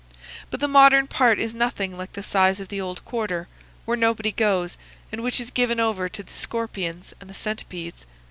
But the modern part is nothing like the size of the old quarter, where nobody goes, and which is given over to the scorpions and the centipedes.